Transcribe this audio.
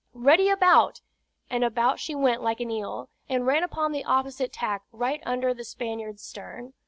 "Ready about!" and about she went like an eel, and ran upon the opposite tack right under the Spaniard's stern.